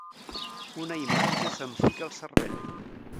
Una imatge se'm fica al cervell.